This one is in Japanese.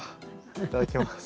いただきます。